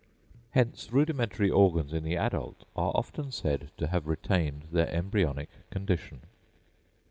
Hence rudimentary organs in the adult are often said to have retained their embryonic condition.